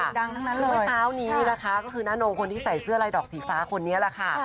ดังทั้งนั้นเลยเมื่อเช้านี้นะคะก็คือน้าโนคนที่ใส่เสื้อลายดอกสีฟ้าคนนี้แหละค่ะ